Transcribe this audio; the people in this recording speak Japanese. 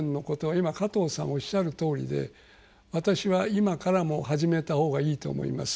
今、加藤さんおっしゃるとおりで私は今から始めたほうがいいと思います。